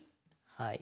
はい。